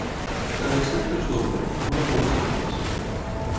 La del centre és doble, amb una columna al mig.